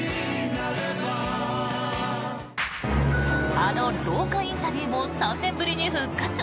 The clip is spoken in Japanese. あの廊下インタビューも３年ぶりに復活。